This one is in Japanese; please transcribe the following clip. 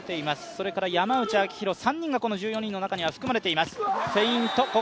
それから山内晶大、この３人が１４人の中に含まれてます。